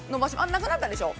なくなったでしょう。